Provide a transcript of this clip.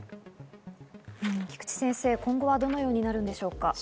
菊地先生、今後はどのようになるんでしょうか。